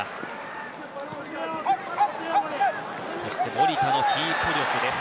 守田のキープ力です。